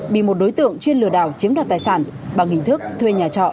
bị một đối tượng chuyên lừa đảo chiếm đoạt tài sản bằng hình thức thuê nhà trọ